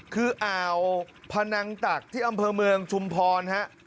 คืออ่าวพนังตักที่อำเภอเมืองชุมพรฮะ